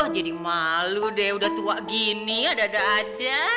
jadi malu deh udah tua gini adada aja